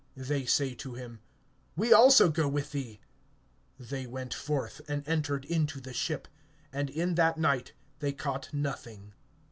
They say to him: We also go with thee. They went forth, and entered into the ship; and in that night they caught nothing.